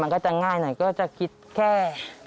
มันก็จะง่ายหน่อยก็จะคิดแค่